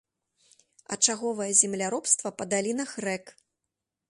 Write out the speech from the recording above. Ачаговае земляробства па далінах рэк.